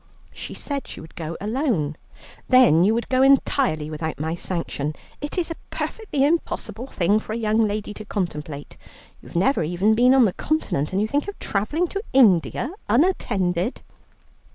She said she would go alone. "Then you would go entirely without my sanction. It is a perfectly impossible thing for a young lady to contemplate. You have never even been on the Continent, and you think of travelling to India unattended."